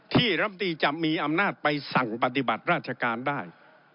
รำตีจะมีอำนาจไปสั่งปฏิบัติราชการได้